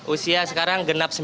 usia sekarang genap sembilan puluh